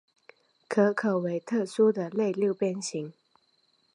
壳口为特殊的类六边形。